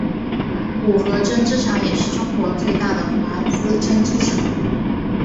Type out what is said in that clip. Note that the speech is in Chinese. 五和针织厂也是中国最大的华资针织厂。